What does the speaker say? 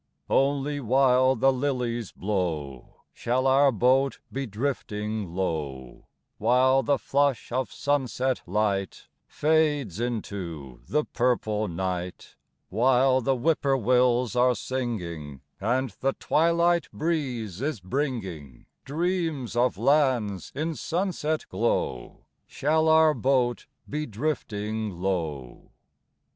NLY while the lilies blow Shall our boat be drifting low ; While the flush of sunset light Fades into the purple night, While the whippoorwills are singing, And the twilight breeze is bringing Dreams of lands in sunset glow, Shall our boat be drifting low.